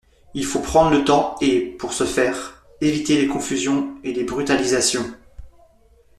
Il faut prendre le temps et, pour ce faire, éviter les confusions et les brutalisations.